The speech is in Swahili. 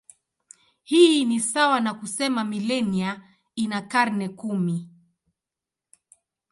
Hii ni sawa na kusema milenia ina karne kumi.